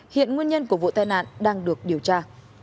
hiện nguyên nhân của vụ tai nạn đang được điều tra